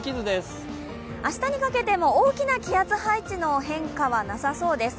明日にかけても大きな気圧配置の変化はなさそうです。